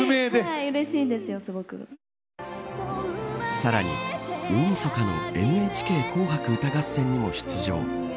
さらに、大みそかのＮＨＫ紅白歌合戦にも出場。